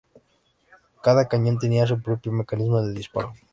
Cada cañón tenía su propio mecanismo de disparo.